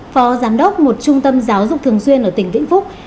phó giám đốc một trung tâm giáo dục thường xuyên ở tỉnh vĩnh phúc